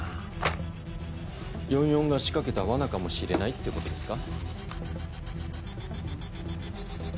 ４４が仕掛けた罠かもしれないって事ですか？